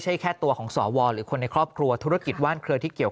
ใช่แค่ตัวของสวหรือคนในครอบครัวธุรกิจว่านเครือที่เกี่ยว